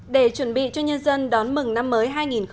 để chuẩn bị cho nhân dân đón mừng năm mới hai nghìn một mươi tám